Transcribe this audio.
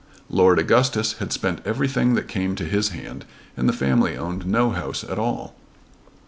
Lord Augustus had spent everything that came to his hand, and the family owned no house at all.